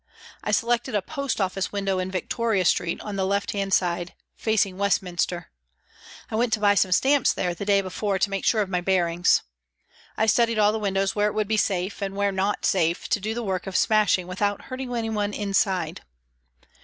I selected a post office window in Victoria Street, on the left hand side, facing Westminster. I went to buy some stamps there the day before to make sure of my bearings. I studied all the windows where it would be safe, and where not safe, to do the work of smashing without hurting anyone inside.